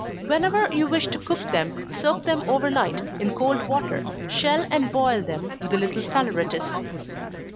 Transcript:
Whenever you wish to cook them, soak them over night, in cold water shell and boil them, with a little saleratus.